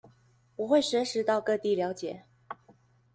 我會隨時到各地了解